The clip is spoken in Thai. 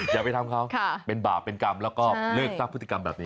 อย่าไปทำเขาเป็นบาปเป็นกรรมแล้วก็เลิกสร้างพฤติกรรมแบบนี้